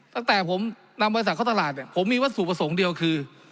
ตั้งแต่ผมนำบริษัทเข้าตลาดเนี่ยผมมีวัตถุประสงค์เดียวคือ